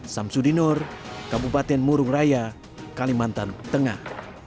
samsudi nur kabupaten murung raya kalimantan tengah